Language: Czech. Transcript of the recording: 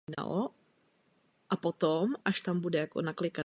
Čisté konto udržel třikrát.